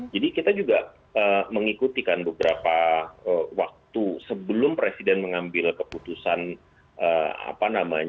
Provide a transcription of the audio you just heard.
jadi kita juga mengikutikan beberapa waktu sebelum presiden mengambil keputusan